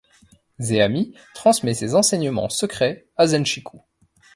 Zeami transmet ses enseignements secrets à Zenchiku.